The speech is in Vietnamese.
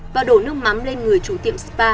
và đổ nước mắm lên người chủ tiệm spa